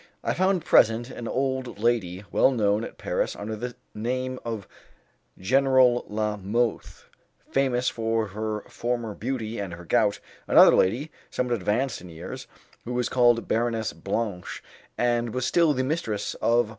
I found present an old lady well known at Paris under the name of General La Mothe, famous for her former beauty and her gout, another lady somewhat advanced in years, who was called Baroness Blanche, and was still the mistress of M.